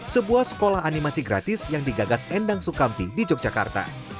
sebuah sekolah animasi gratis yang digagas endang sukamti di yogyakarta